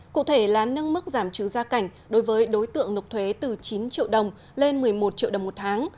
cụ thể là nâng mức giảm trừ gia cảnh đối với đối tượng nộp thuế từ chín triệu đồng lên một mươi một triệu đồng một tháng